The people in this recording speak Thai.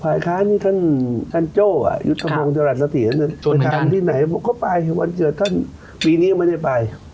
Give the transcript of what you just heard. ฝ่ายค้านี่ท่านโจ๊ะยุธธรรมงศ์จรัสตินั้นไปทานที่ไหนก็ไปวันเจอท่านปีนี้ก็ไม่ได้ไป